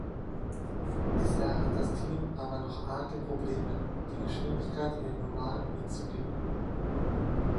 Bisher hat das Team aber noch arge Probleme, die Geschwindigkeit in den Ovalen mitzugehen.